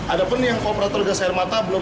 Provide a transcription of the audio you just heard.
ada pun yang operator gas air mata belum